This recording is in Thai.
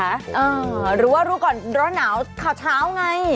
หรือว่าร้อนหนาวขาวเช้าไง